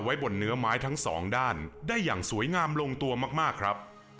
ไว้บนเนื้อไม้ทั้งสองด้านได้อย่างสวยงามลงตัวมากครับ